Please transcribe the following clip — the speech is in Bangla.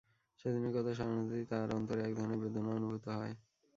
সেদিনের কথা স্মরণ হতেই তার অন্তরে এক ধরনের বেদনা অনুভূত হয়।